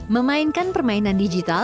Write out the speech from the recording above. memainkan permainan digital